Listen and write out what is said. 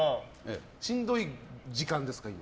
しんどい時間ですか？